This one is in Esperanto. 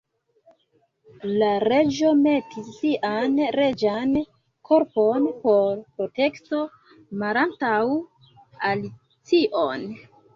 La Reĝo metis sian reĝan korpon por protekto malantaŭ Alicion.